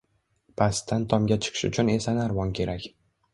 Pastdan tomga chiqish uchun esa narvon kerak.